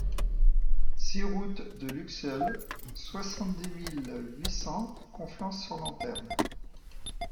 six route de Luxeuil, soixante-dix mille huit cents Conflans-sur-Lanterne